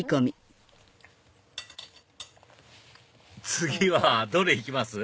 次はどれ行きます？